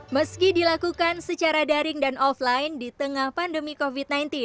meski dilakukan secara daring dan offline di tengah pandemi covid sembilan belas